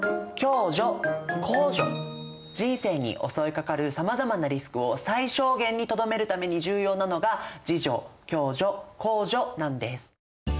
人生に襲いかかるさまざまなリスクを最小限にとどめるために重要なのが自助・共助・公助なんです。